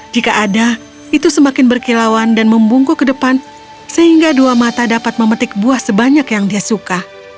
jika ada itu semakin berkilauan dan membungku ke depan sehingga dua mata dapat memetik buah sebanyak yang dia suka